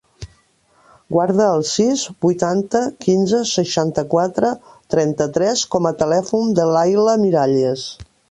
Guarda el sis, vuitanta, quinze, seixanta-quatre, trenta-tres com a telèfon de l'Ayla Miralles.